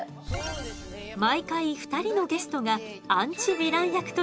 毎回２人のゲストがアンチヴィラン役として登場。